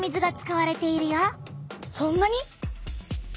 そんなに？